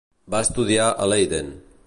Va estudiar a Leiden.